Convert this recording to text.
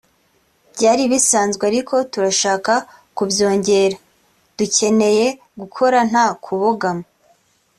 Byari bisanzwe ariko turashaka kubyongera […] Dukeneye gukora nta kubogama